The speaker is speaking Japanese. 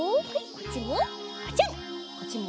こっちもガチャン！